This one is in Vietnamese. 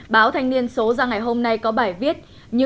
báo thanh niên số ra ngày hôm nay có bài viết